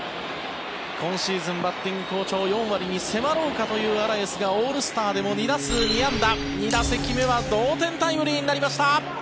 今シーズン、バッティング好調４割に迫ろうかというアラエスがオールスターでも２打数２安打２打席目は同点タイムリーになりました。